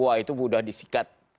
wah itu mudah disikat